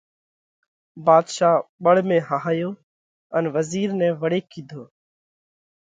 ڀاڌشا ٻۯ ۾ هاهيو ان وزِير نئہ وۯي ڪِيڌو: